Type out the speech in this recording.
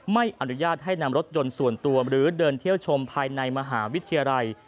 ไม่อนุญาตให้นำรถยนต์ส่วนตัวหรือเดินเที่ยวชมภายในมหาวิทยาลัย